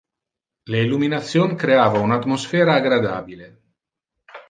Le illumination creava un atmosphera agradabile.